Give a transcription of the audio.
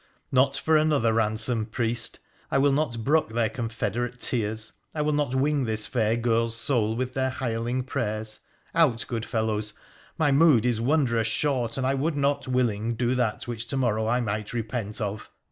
' Not for another ransom, priest ! I will not brook their confederate tears — I will not wing this fair girl's soul with their hireling prayers — out, good fellows, my mood is wondrous short, and I would not willing do that which to morrow I might repent of.'